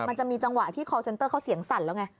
มันจะมีจังหวะที่คอลเซนเตอร์เขาเสียงสั่นแล้วไง